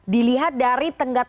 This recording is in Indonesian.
dilihat dari tenggat